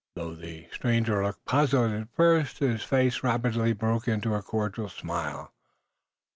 Though the stranger looked puzzled at first, his face rapidly broke into a cordial smile.